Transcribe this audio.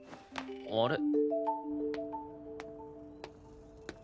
あれ？